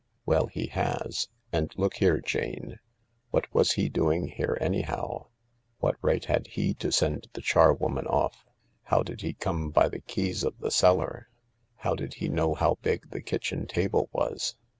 "Well, he has. And look here, Jane. What was he doing here, anyhow ? What right had he to send the char woman off ? How did he come by the keys of the cellar ? How did he know how big the kitchen table was